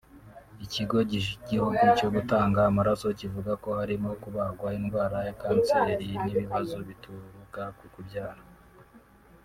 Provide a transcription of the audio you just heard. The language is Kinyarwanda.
Ikigo cy’igihugu cyo gutanga amaraso kivuga ko harimo kubagwa indwara ya kanseri n’ibibazo bituruka ku kubyara